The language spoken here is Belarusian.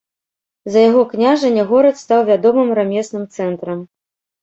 За яго княжанне горад стаў вядомым рамесным цэнтрам.